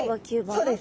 そうです。